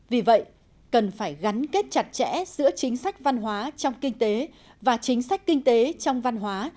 vì vậy cần phải gắn kết chặt chẽ giữa chính sách văn hóa trong kinh tế và chính sách kinh tế trong văn hóa